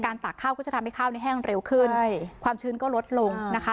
ตากข้าวก็จะทำให้ข้าวเนี่ยแห้งเร็วขึ้นใช่ความชื้นก็ลดลงนะคะ